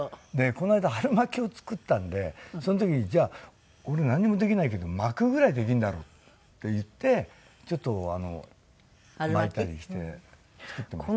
この間春巻きを作ったのでその時にじゃあ俺なんにもできないけど巻くぐらいできんだろっていってちょっと巻いたりして作ってました。